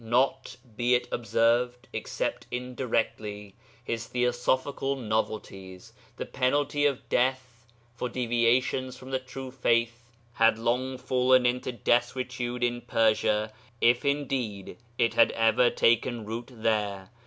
Not, be it observed, except indirectly, his theosophical novelties; the penalty of death for deviations from the True Faith had long fallen into desuetude in Persia, if indeed it had ever taken root there.